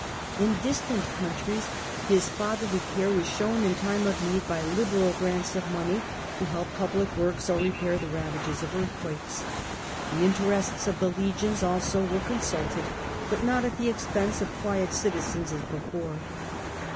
In distant countries his fatherly care was shown in time of need by liberal grants of money, to help public works, or repair the ravages of earthquakes. The interests of the legions also were consulted, but not at the expense of quiet citizens, as before.